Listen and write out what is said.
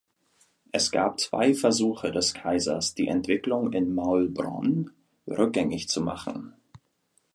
Es gab zwei Versuche des Kaisers, die Entwicklung in Maulbronn rückgängig zu machen.